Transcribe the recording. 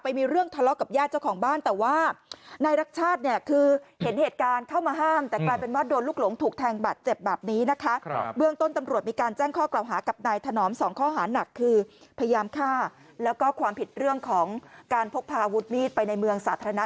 ไปมีเรื่องทะเลาะกับแย่เจ้าของบ้าน